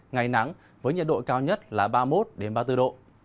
ngày nắng với nhiệt độ cao nhất là ba mươi một ba mươi bốn độ